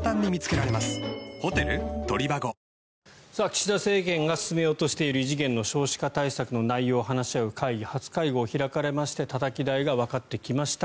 岸田政権が進めようとしている異次元の少子化対策の内容を話し合う会議初会合が行われましてたたき台がわかってきました。